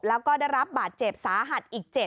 แล้วก็ได้รับบาดเจ็บสาหัสอีก๗